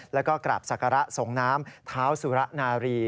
และกว่ากลับศักรสงชน้ำท้าวสุระนารี